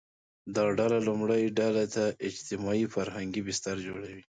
دا ډله لومړۍ ډلې ته اجتماعي – فرهنګي بستر جوړوي